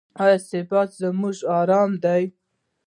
او ثبات یې زموږ ارامي ده.